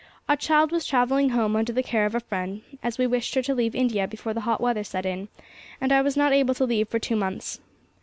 'Our child was travelling home under the care of a friend, as we wished her to leave India before the hot weather set in, and I was not able to leave for two months.